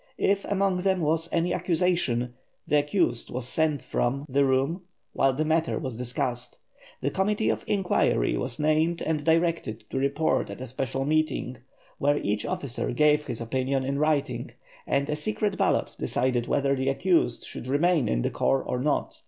If among them was any accusation, the accused was sent from the room while the matter was discussed. A committee of inquiry was named and directed to report at a special meeting, where each officer gave his opinion in writing, and a secret ballot decided whether the accused should remain in the corps or not.